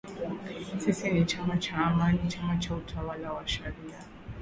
“Sisi ni chama cha Amani, chama cha utawala wa sharia."